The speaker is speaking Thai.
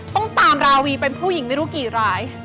ต้องตามราวีเป็นผู้หญิงไม่รู้กี่ราย